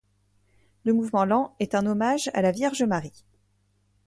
Le mouvement lent est un hommage à la Vierge Marie.